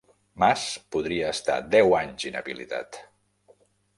Mas podria estar deu anys inhabilitat